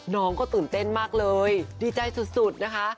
น้องก็ตื่นเต้นมากเลยดีใจสุดนะคะ